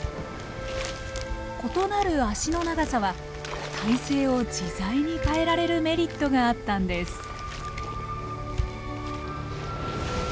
異なる足の長さは体勢を自在に変えられるメリットがあったんです。